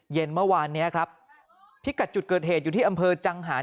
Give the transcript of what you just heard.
เย็นเมื่อวานนี้ครับพิกัดจุดเกิดเหตุอยู่ที่อำเภอจังหาร